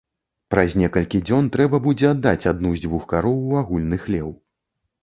Праз некалькі дзён трэба будзе аддаць адну з дзвюх кароў у агульны хлеў.